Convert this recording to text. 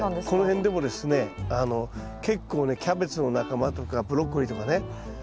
この辺でもですね結構ねキャベツの仲間とかブロッコリーとかね